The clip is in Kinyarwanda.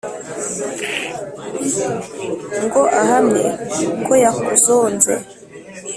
Ngo ahamye ko yakuzonze.